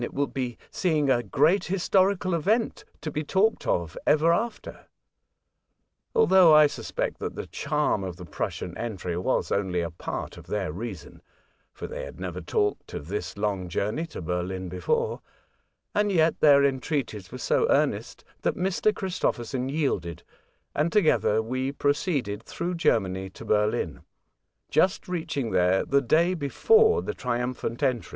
It will be seeing a great historical event, to be talked of ever after." Although I suspect that the charm of the Prussian entry was only a part of their reason (for they had never talked of this long journey to Berlin before), yet their entreaties were so earnest that Mr. Christopherson yielded, and together we proceeded through Germany to Berlin, just reaching there the day before the triumphant entry.